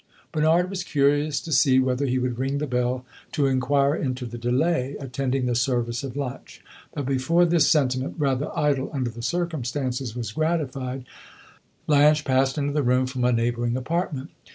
Bernard was curious to see whether he would ring the bell to inquire into the delay attending the service of lunch; but before this sentiment, rather idle under the circumstances, was gratified, Blanche passed into the room from a neighboring apartment.